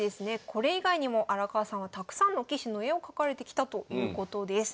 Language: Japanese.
これ以外にも荒川さんはたくさんの棋士の絵を描かれてきたということです。